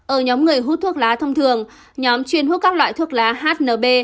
ở nhóm người hút thuốc lá thông thường nhóm chuyên hút các loại thuốc lá hnb